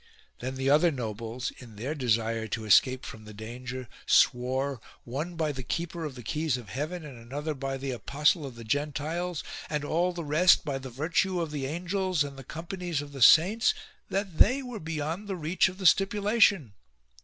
Then the other nobles, in their desire to escape from the danger, swore, one by the keeper of the keys of heaven, and another by the apostle of the Gentiles, and all the rest by the virtue of the angels and the companies of the saints, that they were be yond the reach of the stipulation.